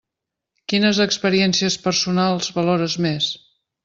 Quines experiències personals valores més?